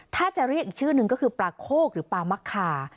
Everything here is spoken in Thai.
ถ้าจะเรียกอีกชื่อนึงก็คือปลาโคกหรือปลามะคา